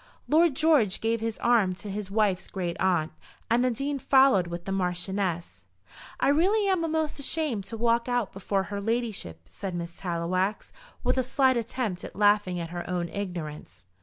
Lord George gave his arm to his wife's great aunt, and the Dean followed with the Marchioness. "I really am a'most ashamed to walk out before her ladyship," said Miss Tallowax, with a slight attempt at laughing at her own ignorance.